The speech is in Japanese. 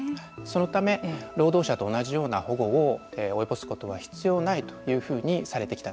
そのため労働者と同じような保護を及ぼすことは必要ないというふうにされてきたんです。